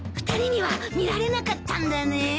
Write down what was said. ２人には見られなかったんだね？